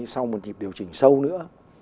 sau một dịp điều chỉnh sâu nữa